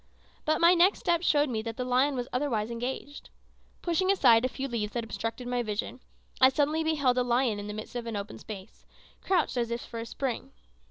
But my next step showed me that the lion was otherwise engaged. Pushing aside a few leaves that obstructed my vision, I suddenly beheld a lion in the midst of an open space, crouched as if for a spring.